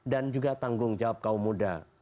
dan juga tanggung jawab kaum muda